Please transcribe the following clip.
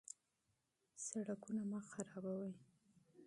سرکونه مه خرابوئ.